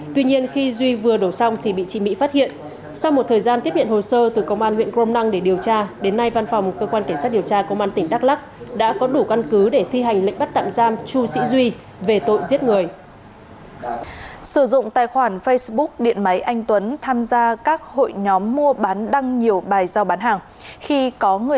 tuy nhiên khi duy vừa đổ xong thì bị chị mỹ phát hiện sau một thời gian tiếp nhận hồ sơ từ công an huyện quang năng để điều tra đến nay văn phòng cơ quan kẻ sát điều tra công an tỉnh đắk lắc đã có đủ căn cứ để thi hành lệnh bắt tạm giam chu sĩ duy về tội giết người